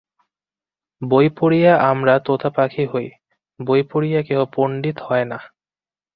বই পড়িয়া আমরা তোতাপাখি হই, বই পড়িয়া কেহ পণ্ডিত হয় না।